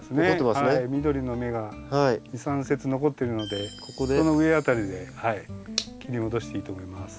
はい緑の芽が２３節残ってるのでその上辺りで切り戻していいと思います。